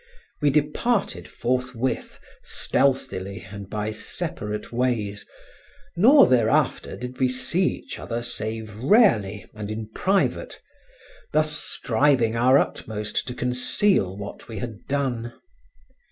We departed forthwith stealthily and by separate ways, nor thereafter did we see each other save rarely and in private, thus striving our utmost to conceal what we had done.